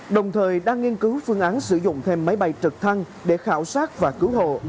đồng thời đang nghiên cứu phương án sử dụng thêm máy bay trực thăng để khảo sát và cứu hộ